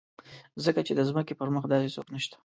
ځکه چې د ځمکې پر مخ داسې څوک نشته.